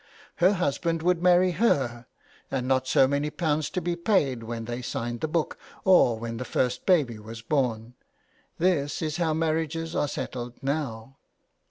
Her husband should marry her, and not so many pounds to be paid when ?i6 JULIA CAHILL'S CURSE. they signed the book or when the first baby was born. This is how marriages are settled now.